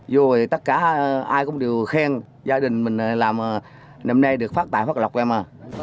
vui tất cả ai cũng đều khen gia đình mình làm năm nay được phát tại phát lọc em à